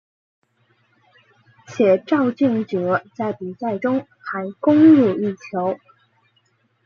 且肇俊哲在比赛中还攻入一球。